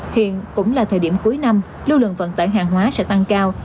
hiện cũng là thời điểm cuối năm lưu lượng vận tải hàng hóa sẽ tăng cao